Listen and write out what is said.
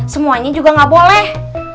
semuanya juga nggak boleh